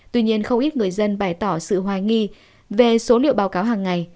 tuy nhiên không ít người dân bày tỏ sự hoài nghi về số liệu báo cáo hàng ngày